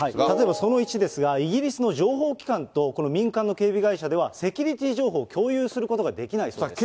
例えばその１ですが、イギリスの情報機関とこの民間の警備会社では、セキュリティー情報を共有することができないそうです。